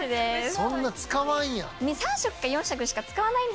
そんな使わんやん。